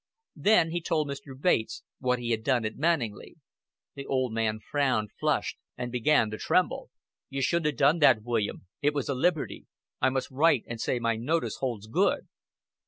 Then he told Mr. Bates what he had done at Manninglea. The old man frowned, flushed, and began to tremble. "You shouldn't 'a' done that, William. It was a liberty. I must write and say my notice holds good."